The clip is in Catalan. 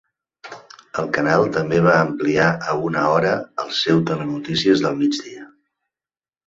El canal també va ampliar a una hora el seu telenotícies del migdia.